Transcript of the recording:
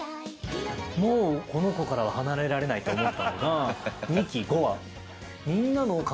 もうこの子からは離れられないと思ったのが。